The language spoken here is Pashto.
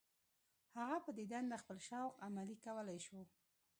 هغه په دې دنده خپل شوق عملي کولای شو.